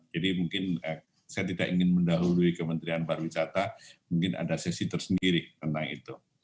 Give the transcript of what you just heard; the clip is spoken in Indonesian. jadi mungkin saya tidak ingin mendahului kementerian pariwisata mungkin ada sesi tersendiri tentang itu